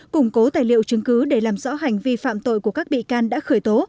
củng cố tài liệu chứng cứ để làm rõ hành vi phạm tội của các bị can đã khởi tố